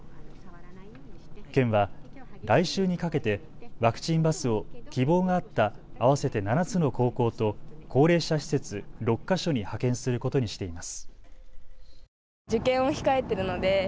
県は来週にかけてワクチンバスを希望があった合わせて７つの高校と高齢者施設、６か所に派遣することにしています。